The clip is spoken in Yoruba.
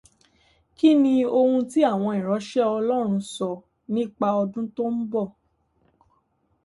Kíni ohun tí àwọn ìránṣẹ́ Ọlọ́run sọ nípa ọdún tó ń bọ̀?